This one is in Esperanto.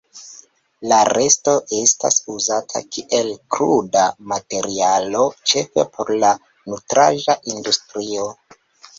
La resto estas uzata kiel kruda materialo, ĉefe por la nutraĵa industrio.